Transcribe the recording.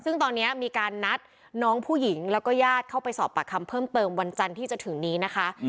ซึ่งตอนนี้มีการนัดน้องผู้หญิงแล้วก็ญาติเข้าไปสอบปากคำเพิ่มเติมวันจันทร์ที่จะถึงนี้นะคะ